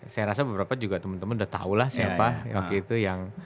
saya rasa beberapa juga temen temen udah tau lah siapa